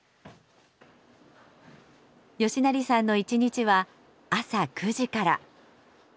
嘉成さんの一日は朝９時から。